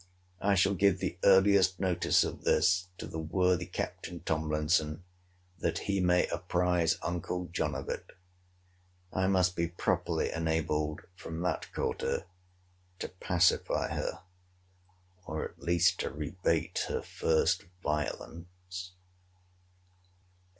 I shall give the earliest notice of this to the worthy Capt. Tomlinson, that he may apprize uncle John of it. I must be properly enabled, from that quarter, to pacify her, or, at least, to rebate her first violence.